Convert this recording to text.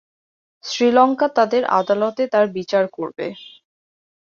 শ্রীলঙ্কা তাদের আদালতে তার বিচার করবে।